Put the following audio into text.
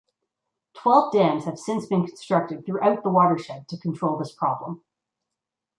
Twelve dams have since been constructed throughout the watershed to control this problem.